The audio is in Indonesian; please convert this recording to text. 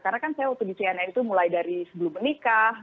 karena kan saya waktu di cnn itu mulai dari sebelum menikah